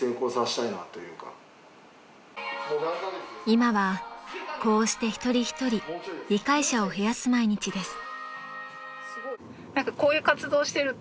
［今はこうして一人一人理解者を増やす毎日です］